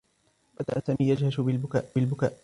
بدأ سامي يجهش بالبكاء.